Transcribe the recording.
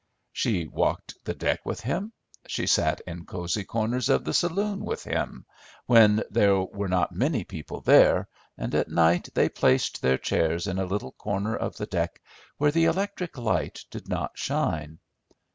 She walked the deck with him, she sat in cozy corners of the saloon with him, when there were not many people there, and at night they placed their chairs in a little corner of the deck where the electric light did not shine.